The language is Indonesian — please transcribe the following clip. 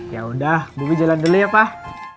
yaudah bobi jalan dulu ya pak